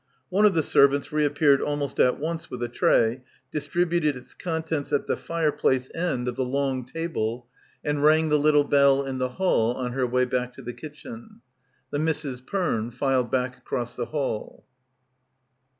One of the servants reappeared almost at once with a tray, distributed its contents at the fire place end of the long — 97 — PILGRIMAGE table and rang the little bell in the hall on her way back to the kitchen. The Misses Perne filed back across the hall.